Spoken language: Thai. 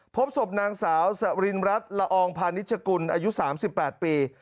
พบศพนางสาวสรินรัฐละอองพาณิชกุลอายุ๓๘ปี